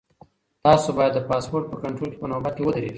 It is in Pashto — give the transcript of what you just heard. تاسو باید د پاسپورټ په کنټرول کې په نوبت کې ودرېږئ.